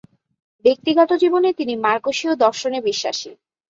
ব্যক্তিগত জীবনে তিনি মার্কসীয় দর্শনে বিশ্বাসী।